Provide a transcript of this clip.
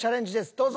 どうぞ。